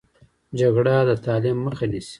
جګړه د تعلیم مخه نیسي